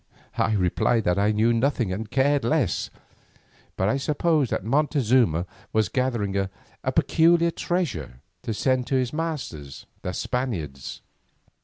I replied that I knew nothing and cared less, but I supposed that Montezuma was gathering a peculiar treasure to send to his masters the Spaniards.